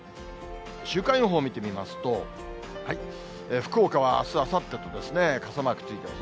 週間予報見てみますと、福岡はあす、あさってと傘マークついてます。